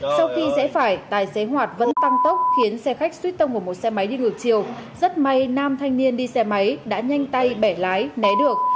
sau khi rẽ phải tài xế hoạt vẫn tăng tốc khiến xe khách suýt tông vào một xe máy đi ngược chiều rất may nam thanh niên đi xe máy đã nhanh tay bẻ lái được